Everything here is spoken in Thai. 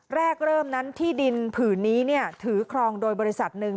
แรกเริ่มนั้นที่ดินผืนนี้ถือครองโดยบริษัทหนึ่ง